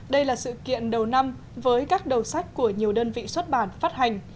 đây là sự kiện đầu năm với các đầu sách của nhiều đơn vị xuất bản phát hành